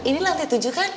ini lantai tujuh kan